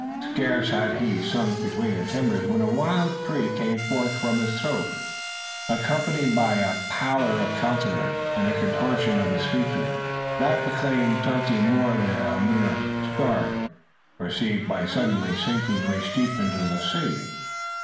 Scarce had he sunk between the timber when a wild shriek came forth from his throat, accompanied by a pallor of countenance, and a contortion of his features, that proclaimed something more than a mere "start" received by suddenly sinking waist deep into the sea.